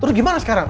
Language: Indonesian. terus gimana sekarang